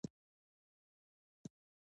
ساتونکو له دې وضعیت څخه ګټه پورته کوله.